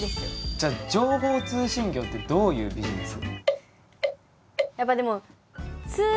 じゃあ情報通信業ってどういうビジネス？